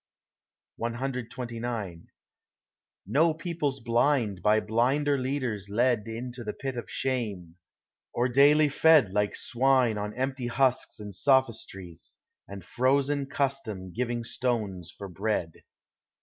CXXIX No peoples blind by blinder leaders led Into the pit of shame, or daily fed Like swine on empty husks and sophistries, And frozen custom giving stones for bread.